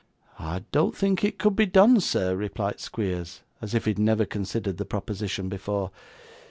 'I don't think it could be done, sir,' replied Squeers, as if he had never considered the proposition before.